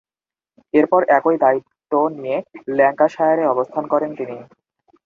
এরপর একই দায়িত্ব নিয়ে ল্যাঙ্কাশায়ারে অবস্থান করেন তিনি।